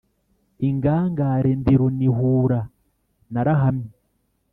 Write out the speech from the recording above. Ingangare ndi runihura narahamye.